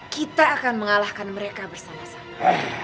kita akan mengalahkan mereka bersama sama